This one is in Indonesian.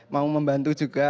mau membantu juga